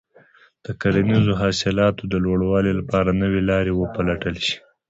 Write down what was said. د کرنیزو حاصلاتو د لوړوالي لپاره نوې لارې وپلټل شي.